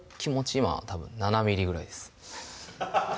今たぶん７ｍｍぐらいです